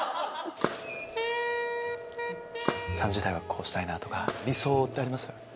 ３０代はこうしたいなとか理想ってあります？